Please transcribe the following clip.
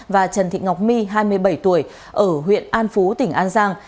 và trần thị ngọc my hai mươi bảy tuổi ở huyện an phú tỉnh an giang